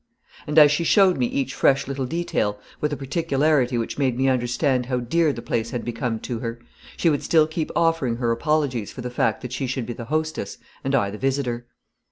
And as she showed me each fresh little detail, with a particularity which made me understand how dear the place had become to her, she would still keep offering her apologies for the fact that she should be the hostess and I the visitor.